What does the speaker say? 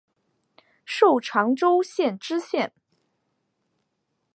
授长洲县知县。